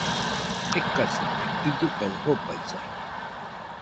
Ekasite, illɨ kaɨ jobaisai